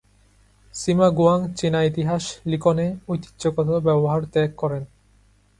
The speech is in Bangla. সিমা গুয়াং চীনা ইতিহাস লিখনে ঐতিহ্যগত ব্যবহার ত্যাগ করেন।